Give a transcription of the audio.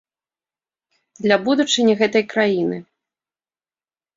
Для будучыні гэтай краіны.